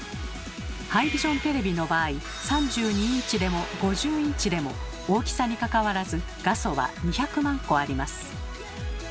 ハイビジョンテレビの場合３２インチでも５０インチでも大きさにかかわらず画素は２００万個あります。